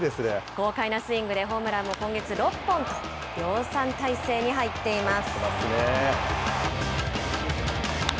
豪快なスイングで、ホームランも今月６本と、量産体制に入っています。